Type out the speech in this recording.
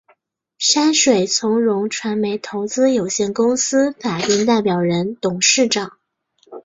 山水从容传媒投资有限公司法定代表人、董事长